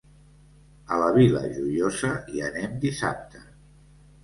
A la Vila Joiosa hi anem dissabte.